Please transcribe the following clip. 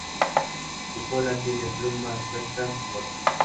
Su cola tiene plumas rectas y cortas.